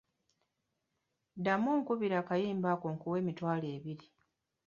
Ddamu onkubire akayimba ako nkuwe emitwalo ebiri.